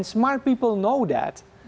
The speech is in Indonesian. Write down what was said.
karena krisis berikutnya sudah diadakan